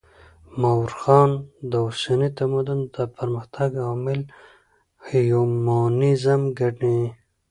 مؤرخان د اوسني تمدن د پرمختګ عوامل هیومنيزم ګڼي.